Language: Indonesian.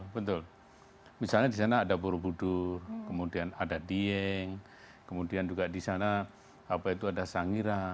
betul misalnya di sana ada buru budur kemudian ada dieng kemudian juga di sana ada sangira